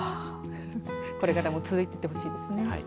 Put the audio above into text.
これからも続いていってほしいですね。